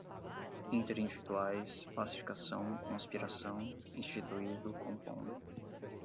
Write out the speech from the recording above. interindividuais, pacificação, conspiração, instituído, compondo